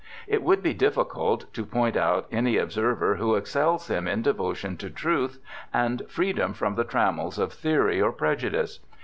' It would be difficult to point out any observer who excels him in devotion to truth, and freedom from the trammels of theory or prejudice.